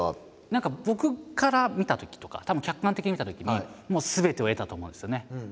何か僕から見たときとかたぶん客観的に見たときにもうすべてを得たと思うんですよね。